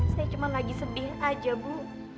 saya cuma lagi sedih aja bu